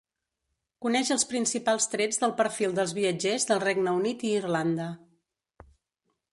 Coneix els principals trets del perfil dels viatgers del Regne Unit i Irlanda.